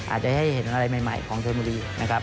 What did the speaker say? อาจจะให้เห็นอะไรใหม่ของชนบุรีนะครับ